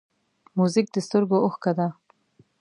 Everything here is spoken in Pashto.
موزیک د سترګو اوښکه ده.